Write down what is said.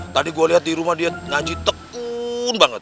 tadi gue lihat di rumah dia ngaji tekun banget